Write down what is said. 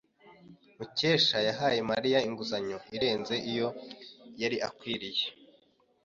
Mukesha yahaye Mariya inguzanyo irenze iyo yari akwiye.